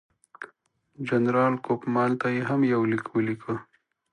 جنرال کوفمان ته یې هم یو لیک ولیکه.